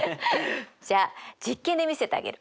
じゃあ実験で見せてあげる。